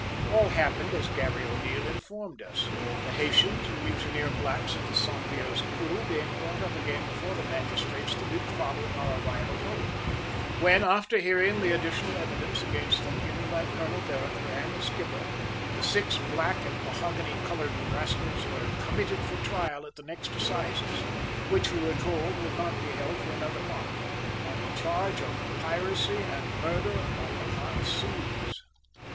All happened as Garry O'Neil informed us, the Haytians and mutineer blacks of the Saint Pierre's crew being brought up again before the magistrates the week following our arrival home, when, after hearing the additional evidence against them given by Colonel Vereker and the skipper, the six black and mahogany coloured rascals were committed for trial at the next assizes, which we were told would not be held for another month, on the charge of "piracy and murder on the high seas."